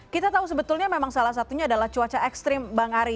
kita tahu sebetulnya memang salah satunya adalah cuaca ekstrim bang ari